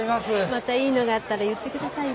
またいいのがあったら言って下さいね。